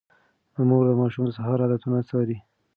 مور د ماشوم د سهار عادتونه څاري.